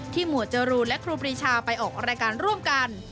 หมวดจรูนและครูปรีชาไปออกรายการร่วมกัน